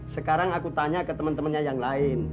sekarang aku tanya ke teman temannya yang lain